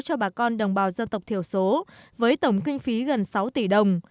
cho bà con đồng bào dân tộc thiểu số với tổng kinh phí gần sáu tỷ đồng